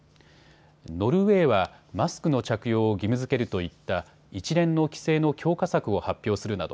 ノルウェーはマスクの着用を義務づけるといった一連の規制の強化策を発表するなど